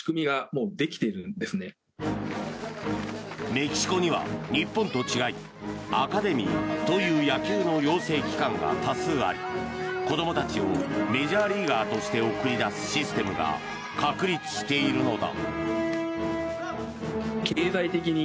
メキシコには日本と違いアカデミーという野球の養成機関が多数あり子供たちをメジャーリーガーとして送り出すシステムが確立しているのだ。